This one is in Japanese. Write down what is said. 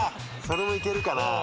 それも行けるかな。